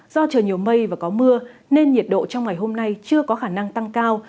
do trời nhiều mây và có mưa nên nhiệt độ trong ngày hôm nay chưa có khả năng tăng cao